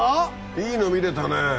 いいの見れたね。